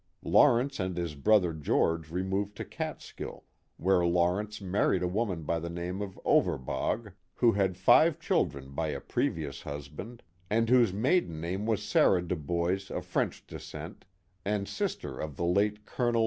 Lawrence and his brother George removed to Catskill where Lawrence married a woman by the name of Overbaug, who had five children by a previous husband, and whose maiden name was Sarah Deboise of French descent, and sister of ihe late Col.